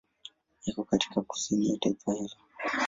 Iko katika kusini ya taifa hili.